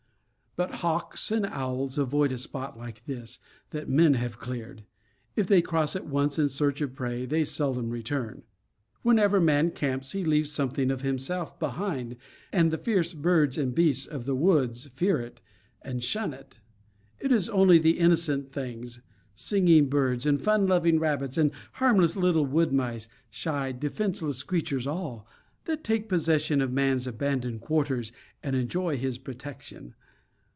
But hawks and owls avoid a spot like this, that men have cleared. If they cross it once in search of prey, they seldom return. Wherever man camps, he leaves something of himself behind; and the fierce birds and beasts of the woods fear it, and shun it. It is only the innocent things, singing birds, and fun loving rabbits, and harmless little wood mice shy, defenseless creatures all that take possession of man's abandoned quarters, and enjoy his protection.